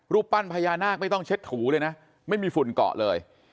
ปั้นพญานาคไม่ต้องเช็ดถูเลยนะไม่มีฝุ่นเกาะเลย